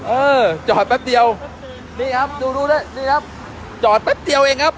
เออจอดแป๊บเดียวนี่ครับดูดูแล้วนี่ครับจอดแป๊บเดียวเองครับ